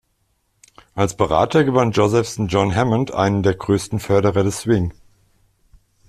Als Berater gewann Josephson John Hammond, einen der größten Förderer des Swing.